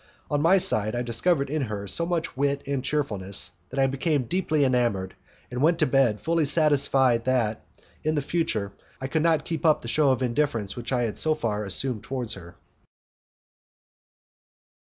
On my side, I discovered in her so much wit and cheerfulness, that I became deeply enamoured, and went to bed fully satisfied that, in the future, I could not keep up the show of indifference which I had so far assumed towards her.